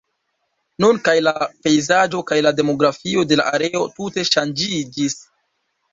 Nun kaj la pejzaĝo kaj la demografio de la areo tute ŝanĝiĝis.